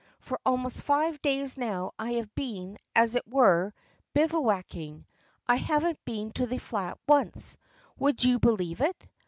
For almost five days now I have been, as it were, bivouacking. I haven't been to the flat once, would you believe it?